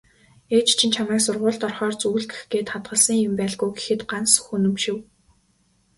"Ээж чинь чамайг сургуульд орохоор зүүлгэх гээд хадгалсан юм байлгүй" гэхэд Гансүх үнэмшив.